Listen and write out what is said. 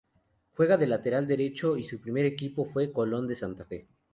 Juega de lateral derecho y su primer equipo fue Colón de Santa Fe.